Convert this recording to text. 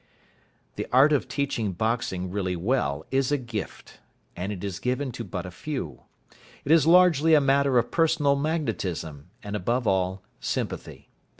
The art of teaching boxing really well is a gift, and it is given to but a few. It is largely a matter of personal magnetism, and, above all, sympathy.